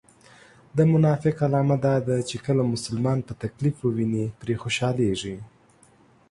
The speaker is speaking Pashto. د منافق علامه دا ده چې کله مسلمان په تکليف و ويني پرې خوشحاليږي